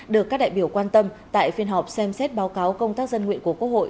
được các đại biểu quan tâm tại phiên họp xem xét báo cáo công tác dân nguyện của quốc hội